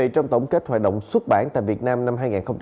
trong tổng kết hoạt động xuất bản tại việt nam năm hai nghìn hai mươi